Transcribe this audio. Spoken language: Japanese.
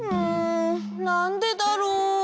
なんでだろう？